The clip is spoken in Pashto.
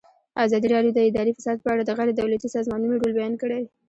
ازادي راډیو د اداري فساد په اړه د غیر دولتي سازمانونو رول بیان کړی.